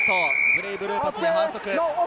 ブレイブルーパスに反則。